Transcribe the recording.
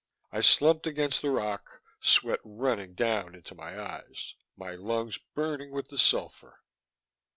I slumped against the rock, sweat running down into my eyes, my lungs burning with the sulphur.